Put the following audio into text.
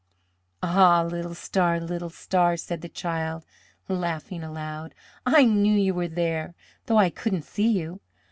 "Ah, little star, little star!" said the child, laughing aloud, "I knew you were there, though I couldn't see you.